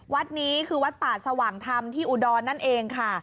วัดนี้คือวัดป่าสว่างธรรมที่อุดรนั่นเองค่ะ